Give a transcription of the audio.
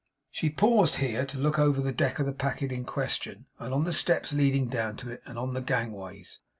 She paused here to look over the deck of the packet in question, and on the steps leading down to it, and on the gangways.